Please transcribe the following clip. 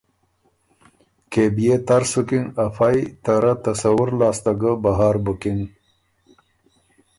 کېبئے تر سُکِن افئ ته رئ تصور لاسته ګۀ بهر بُکِن